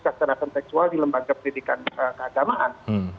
kekerasan seksual di lembaga pendidikan keagamaan